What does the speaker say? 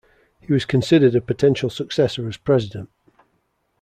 He was considered a potential successor as President.